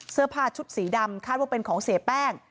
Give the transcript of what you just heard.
เสื้อผ้าชุดสีดำคาดว่าเป็นของเสียแป้ง